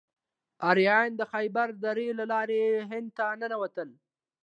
آریایان د خیبر درې له لارې هند ته ننوتل.